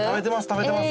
食べてます！